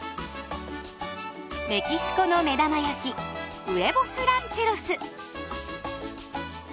メキシコのめだま焼きウエボス・ランチェロス。